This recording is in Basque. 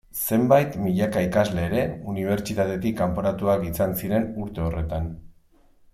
Zenbait milaka ikasle ere, unibertsitatetik kanporatuak izan ziren urte horretan.